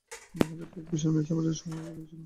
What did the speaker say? তিনি মহাজগৎকে এক বিশাল শিল্পবস্তুরূপে গ্রহণ করেছিলেন।